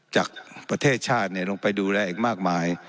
จากประเทศชาติลงไปดูแลอีกมากมาย